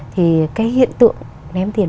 thì cái hiện tượng ném tiền